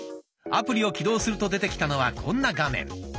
アプリを起動すると出てきたのはこんな画面。